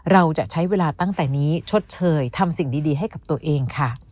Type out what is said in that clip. เราจะใช้เวลาตั้งแต่นี้ชดเชยทำสิ่งดีให้กับตัวเองค่ะ